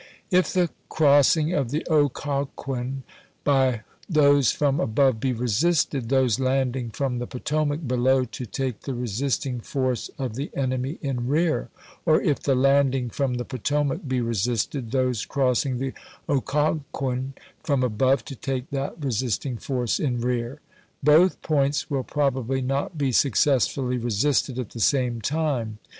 If the crossing of the Occoquan by those from above be resisted, those landing from the Potomac below to take the resisting force of the enemy in rear ; or, if the landing from the Potomac be resisted, those crossing the Occoquan from above to take that resisting force in rear. Both points will probably not be successfully re sisted at the same time.